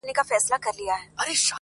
د هر پلار كيسه د زوى په وينو سره ده.!